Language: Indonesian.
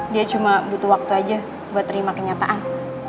dia cuma butuh waktu aja buat terima kenyataan